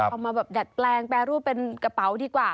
เอามาแบบดัดแปลงแปรรูปเป็นกระเป๋าดีกว่า